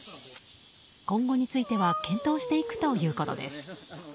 今後については検討していくということです。